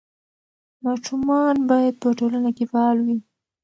ماشومان باید په ټولنه کې فعال وي.